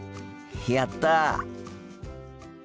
やった。